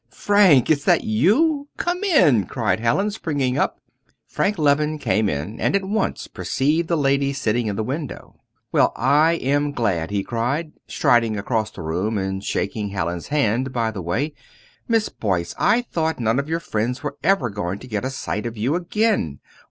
"Frank! is that you? Come in," cried Hallin, springing up. Frank Leven came in, and at once perceived the lady sitting in the window. "Well, I am glad!" he cried, striding across the room and shaking Hallin's hand by the way. "Miss Boyce! I thought none of your friends were ever going to get a sight of you again!